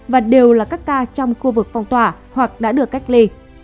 và đều là các ca trong khu vực phong tỏa hoặc đã được cách ly